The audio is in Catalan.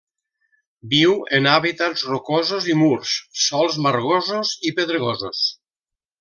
Viu en hàbitats rocosos i murs, sòls margosos i pedregosos.